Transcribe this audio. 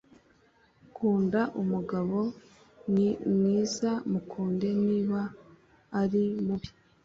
Kunda umugabo ni mwiza mukunde niba ari mubi